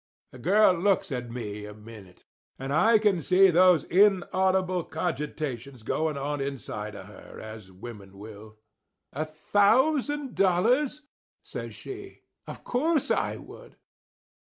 The girl looks at me a minute; and I can see these inaudible cogitations going on inside of her, as women will. "A thousand dollars?" says she. "Of course I would."